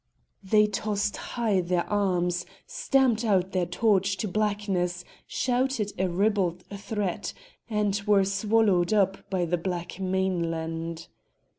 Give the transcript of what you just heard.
They tossed high their arms, stamped out their torch to blackness, shouted a ribald threat, and were swallowed up by the black mainland.